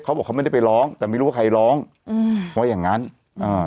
เขาบอกเขาไม่ได้ไปร้องแต่ไม่รู้ว่าใครร้องอืมว่าอย่างงั้นอ่า